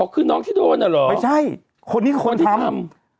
คือน้องที่โดนอ่ะเหรอไม่ใช่คนนี้คนที่ทำ